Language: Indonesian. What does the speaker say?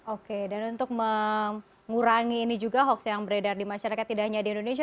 oke dan untuk mengurangi ini juga hoax yang beredar di masyarakat tidak hanya di indonesia